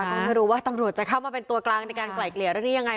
ต้องไม่รู้ว่าตำรวจจะเข้ามาเป็นตัวกลางในการไกล่เกลี่ยเรื่องนี้ยังไง